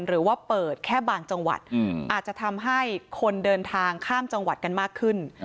หรือว่าเปิดแค่บางจังหวัดอาจจะทำให้คนเดินทางข้ามจังหวัดกันมากขึ้น